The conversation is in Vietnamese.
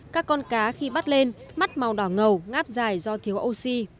các con cá khi bắt lên mắt màu đỏ ngầu ngáp dài do thiếu oxy